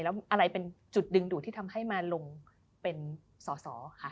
แล้วอะไรเป็นจุดดึงดูดที่ทำให้มาลงเป็นสอสอค่ะ